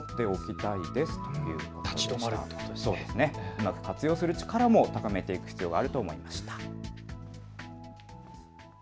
うまく活用する力も高めていく必要があると思いました。